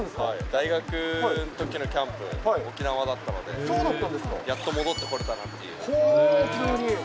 大学のときのキャンプ、沖縄だったので、やっと戻ってこれたなっていう。